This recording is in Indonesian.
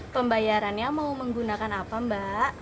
pembayarannya mau menggunakan apa mbak